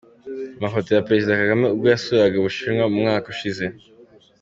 Amafoto ya Perezida Kagame ubwo yasuraga u Bushinwa mu mwaka ushize.